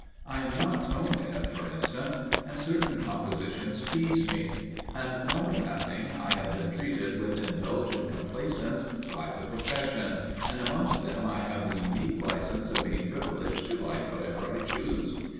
I am not tone deaf, for instance, and certain compositions please me; and, knowing nothing, I have been treated with indulgent complaisance by the profession, and amongst them I have the unique licence of being privileged to like whatever I choose.